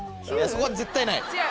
そこは絶対ない。